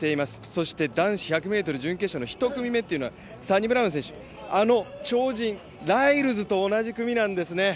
そして男子１００ｍ準決勝の１組目というのは、サニブラウン選手、あの超人、ライルズと同じ組なんですね。